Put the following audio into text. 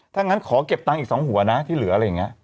ถ้างั้นขอเก็บตังค์อีก๒หัวนะที่เหลืออะไรอย่างนี้